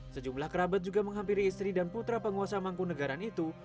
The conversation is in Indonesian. sejumlah kerabat juga menghampiri istri dan putra penguasa mangkunagaran itu